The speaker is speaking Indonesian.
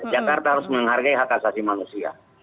jakarta harus menghargai hak asasi manusia